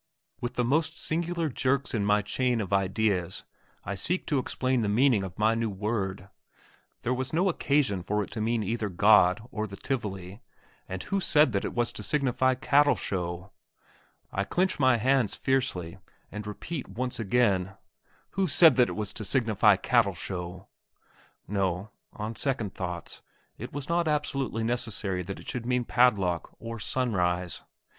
With the most singular jerks in my chain of ideas I seek to explain the meaning of my new word. There was no occasion for it to mean either God or the Tivoli; [Footnote: Theatre of Varieties, etc., and Garden in Christiania.] and who said that it was to signify cattle show? I clench my hands fiercely, and repeat once again, "Who said that it was to signify cattle show?" No; on second thoughts, it was not absolutely necessary that it should mean padlock, or sunrise.